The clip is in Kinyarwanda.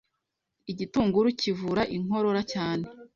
Igitunguru kivura inkorora cyane.